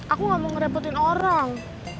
aku gak mau ngerepotin orang